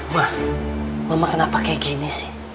wah mama kenapa kayak gini sih